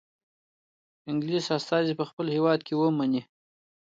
انګلیس استازی په خپل هیواد کې ومنئ.